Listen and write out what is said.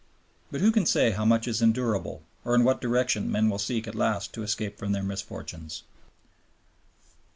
But who can say how much is endurable, or in what direction men will seek at last to escape from their misfortunes?